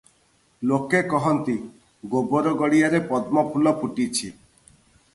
ଲୋକେ କହନ୍ତି, ଗୋବର ଗଡ଼ିଆରେ ପଦ୍ମଫୁଲ ଫୁଟିଛି ।